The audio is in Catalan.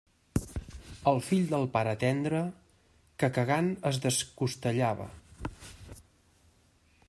El fill del pare tendre, que cagant es descostellava.